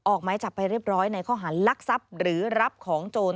ออกไม้จับไปเรียบร้อยในข้อหารลักทรัพย์หรือรับของโจร